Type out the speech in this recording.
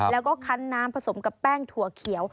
แล้วก็คันน้ำผสมกับแป้งถั่วเขียว